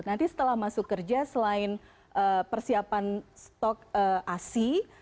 nanti setelah masuk kerja selain persiapan stok asi